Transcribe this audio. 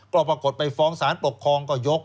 ก็ปรากฏไปฟ้องสารปกครองก็ยก